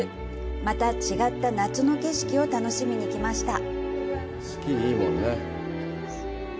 また違った夏の景色を楽しみに来ました。